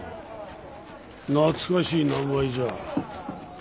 ああ懐かしい名前じゃ。